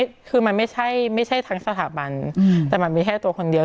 คือมันไม่ใช่ไม่ใช่ทั้งสถาบันแต่มันมีแค่ตัวคนเดียว